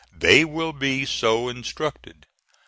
They will be so instructed.